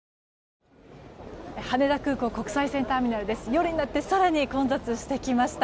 夜になって更に混雑してきました。